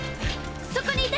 そこにいて！